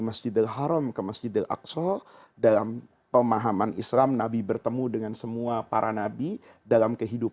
jadi dia keluarkan kapan saja boleh